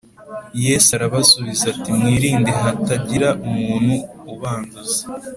Yesu arabasubiza ati Mwirinde hatagira umuntu ubanduza.